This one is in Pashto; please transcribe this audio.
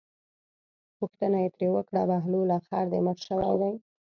پوښتنه یې ترې وکړه بهلوله خر دې مړ شوی دی.